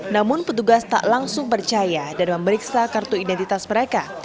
namun petugas tak langsung percaya dan memeriksa kartu identitas mereka